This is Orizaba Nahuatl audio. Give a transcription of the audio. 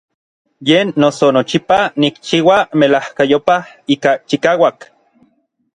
Yen noso nochipa nikchiua melajkayopaj ika chikauak.